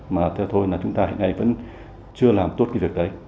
mà theo thôi là chúng ta hiện nay vẫn chưa làm tốt cái việc đấy